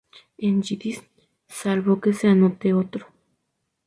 En yidis, salvo que se anote otro.